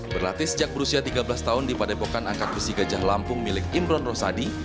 berlatih sejak berusia tiga belas tahun di padepokan angkat besi gajah lampung milik imron rosadi